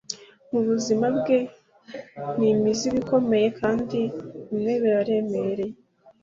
mubuzima bwe ni imizigo ikomeye, kandi bimwe biremereye